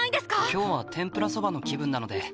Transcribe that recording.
今日は天ぷらそばの気分なので。